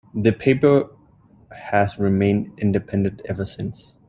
The paper has remained independent ever since.